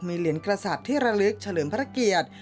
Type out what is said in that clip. มีเหรียญกษัตริย์ที่ระลึกเฉลิมพระเกียรติ